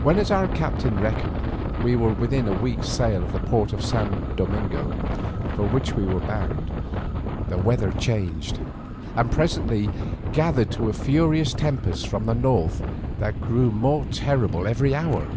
When, as our captain reckoned, we were within a week's sail of the port of San Domingo for which we were bound, the weather changed, and presently gathered to a furious tempest from the north that grew more terrible every hour.